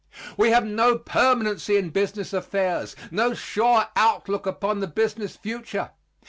We have no permanency in business affairs, no sure outlook upon the business future.